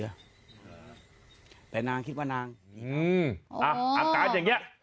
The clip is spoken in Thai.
อะไรล่ะแต่นางคิดว่านางอ๋ออากาศแย่งเงี้ย